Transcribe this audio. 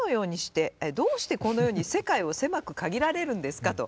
どうしてこのように、世界を狭く限られるんですか？」と。